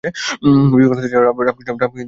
বিবেকানন্দ ছিলেন রামকৃষ্ণ পরমহংসের শিষ্য।